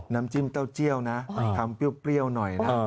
น้ำจิ้มเต้าเจี้ยวนะทำเปรี้ยวหน่อยนะ